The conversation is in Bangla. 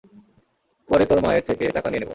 পরে তোর মায়ের থেকে টাকা নিয়ে নেবো।